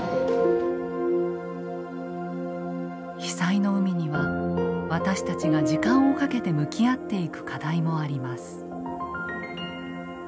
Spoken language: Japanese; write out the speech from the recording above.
被災の海には私たちが時間をかけて向き合っていく課題もあります。